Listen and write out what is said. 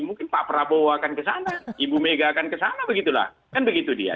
mungkin pak prabowo akan ke sana ibu mega akan ke sana begitu lah kan begitu dia